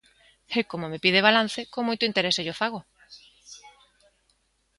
E, como me pide balance, con moito interese llo fago.